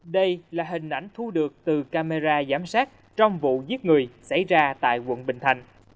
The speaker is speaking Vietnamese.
đây là hình ảnh thu được từ camera giám sát trong vụ giết người xảy ra tại quận bình thành